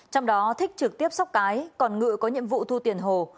trong đó thích trực tiếp sóc cái còn ngự có nhiệm vụ thu tiền hồ